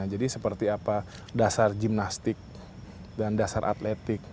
jadi seperti apa dasar gimnastik dan dasar atletik